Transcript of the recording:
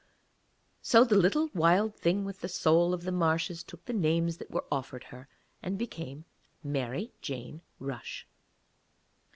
So the little Wild Thing with the soul of the marshes took the names that were offered her, and became Mary Jane Rush.